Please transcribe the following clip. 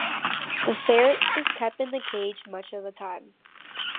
The ferret is kept in the cage much of the time.